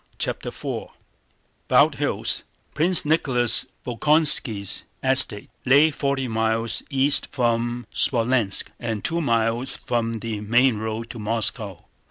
CHAPTER IV Bald Hills, Prince Nicholas Bolkónski's estate, lay forty miles east from Smolénsk and two miles from the main road to Moscow.